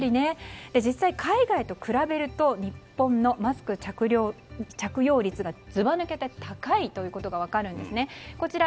実際、海外と比べると日本のマスク着用率がずば抜けて高いということが分かるんです。